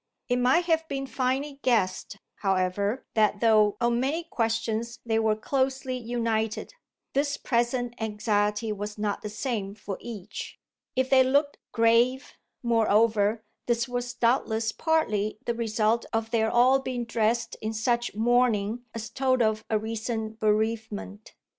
It might have been finely guessed, however, that though on many questions they were closely united this present anxiety was not the same for each. If they looked grave, moreover, this was doubtless partly the result of their all being dressed in such mourning as told of a recent bereavement.